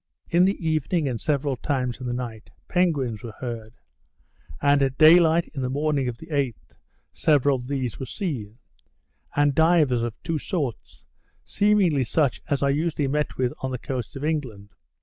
In the evening, and several times in the night, penguins were heard; and, at daylight in the morning of the 8th, several of these were seen; and divers of two sorts, seemingly such as are usually met with on the coast of England.